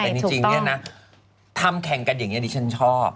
ใช่แต่จริงนี่นะทำแขนว่างี้ดิฉันชอบ